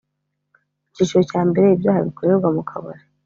icyiciro cya mbere ibyaha bikorerwa mukabari